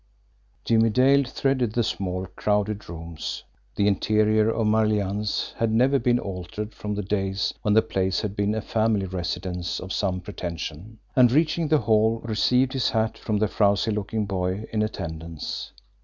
Jimmie Dale threaded the small, crowded rooms the interior of Marlianne's had never been altered from the days when the place had been a family residence of some pretension and, reaching the hall, received his hat from the frowsy looking boy in attendance.